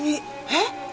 えっ？